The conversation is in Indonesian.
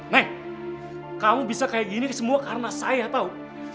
neng kamu bisa kayak gini semua karena saya tau